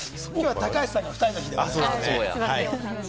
高橋さんが２人の日です。